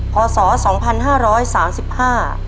พศสองพันห้าร้อยสามสิบห้า